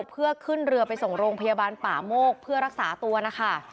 เพื่อขึ้นเรือไปส่งโรงพยาบาลป่าโมกเพื่อรักษาตัวนะคะ